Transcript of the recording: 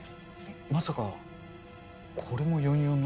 まさかこれも４４の仕業だと？